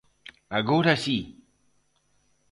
Agora si!